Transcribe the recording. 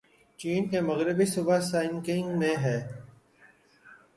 چین کے مغربی صوبے سنکیانگ میں ہے